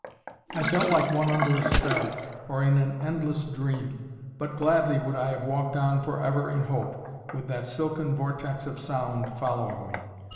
I felt like one under a spell, or in an endless dream; but gladly would I have walked on for ever in hope, with that silken vortex of sound following me.